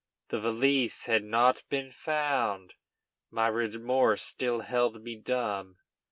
The valise had not been found. My remorse still held me dumb.